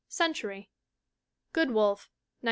Century. Good Wolf, 1908.